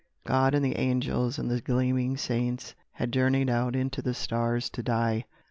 God and the angels, and the gleaming saints Had journeyed out into the stars to die.